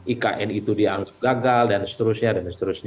ikn itu dianggap gagal dan seterusnya